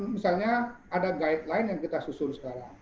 misalnya ada guideline yang kita susun sekarang